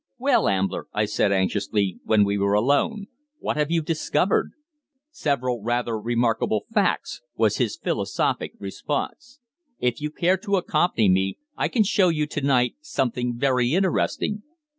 "Well, Ambler?" I said anxiously, when we were alone. "What have you discovered?" "Several rather remarkable facts," was his philosophic response. "If you care to accompany me I can show you to night something very interesting."